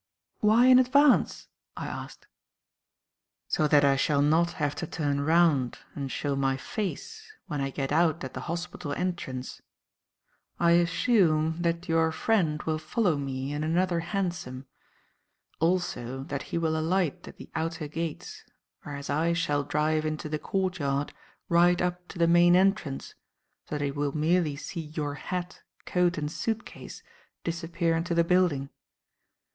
"Why in advance?" I asked. "So that I shall not have to turn round and show my face when I get out at the hospital entrance. I assume that your friend will follow me in another hansom. Also that he will alight at the outer gates, whereas I shall drive into the courtyard right up to the main entrance, so that he will merely see your hat, coat and suit case disappear into the building.